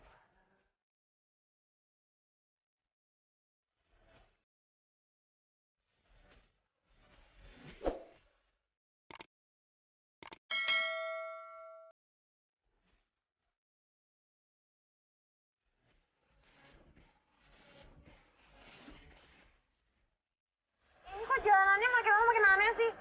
eh ini kok jalanannya makin lama makin aneh sih